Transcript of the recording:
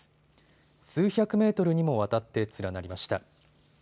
数百メートルにもわたって連なりました。